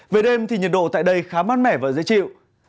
về đêm thì nhiệt độ tại đây khá mát mẻ và dễ chịu